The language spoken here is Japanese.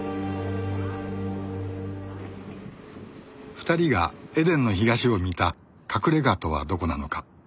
２人が『エデンの東』を見た隠れ家とはどこなのか